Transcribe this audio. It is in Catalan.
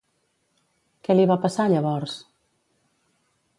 Què li va passar llavors?